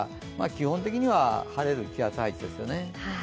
基本的には晴れる気圧配置ですよね。